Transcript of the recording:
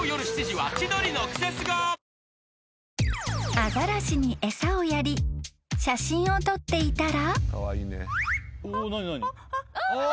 ［アザラシに餌をやり写真を撮っていたら］